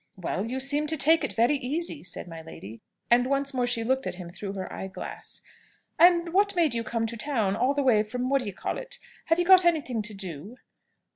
"Well, you seem to take it very easy," said my lady. And once more she looked at him through her eye glass. "And what made you come to town, all the way from what d'ye call it? Have you got anything to do?"